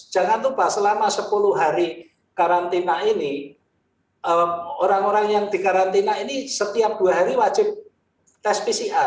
jangan lupa selama sepuluh hari karantina ini orang orang yang dikarantina ini setiap dua hari wajib tes pcr